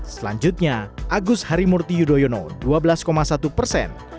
selanjutnya agus harimurti yudhoyono dua belas satu persen